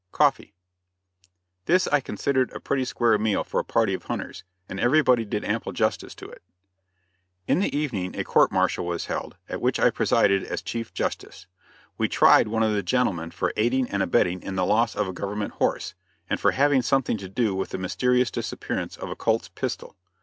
COFFEE. This I considered a pretty square meal for a party of hunters, and everybody did ample justice to it. In the evening a court martial was held, at which I presided as chief justice. We tried one of the gentlemen for aiding and abetting in the loss of a government horse, and for having something to do with the mysterious disappearance of a Colt's pistol.